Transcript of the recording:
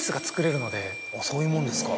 そういうもんですか。